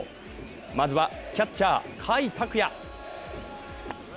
まずは、キャッチャー・甲斐拓也。